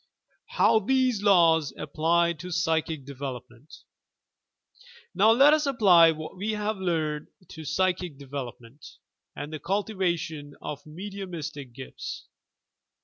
HOW TUVSS LAWS APPLY TO PSYCHIC DEVELOPMENT Now let US apply what we have learned to psychic development, and the cultivation of mediumistic gifts.